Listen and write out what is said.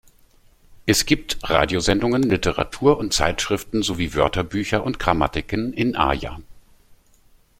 Es gibt Radiosendungen, Literatur und Zeitschriften sowie Wörterbücher und Grammatiken in Aja.